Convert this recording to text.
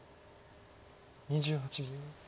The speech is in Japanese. ２８秒。